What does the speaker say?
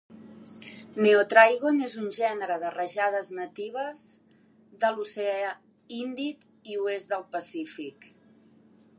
Neotrygon és un gènere de rajades natives del oceà Índic i oest del Pacífic